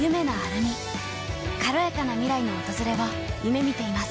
軽やかな未来の訪れを夢みています。